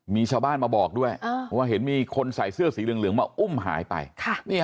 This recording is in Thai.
มีชาวบ้านมาบอกด้วยว่าเห็นมีคนใส่เสื้อสีเหลืองมาอุ้มหายไป